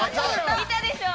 ◆見たでしょう。